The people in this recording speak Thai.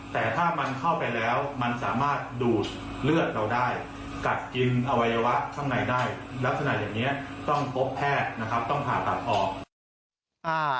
แต่ถ้ามันเข้าไปแล้วมันสามารถดูดเลือดเราได้กัดกินอวัยวะข้างในได้ลักษณะอย่างนี้ต้องพบแพทย์นะครับต้องผ่าตัดออก